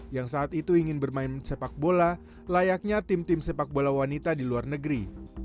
yang saat itu ingin bermain sepak bola layaknya tim tim sepak bola wanita di luar negeri